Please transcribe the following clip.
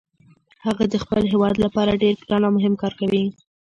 هغه د خپل هیواد لپاره ډیر ګران او مهم کار کوي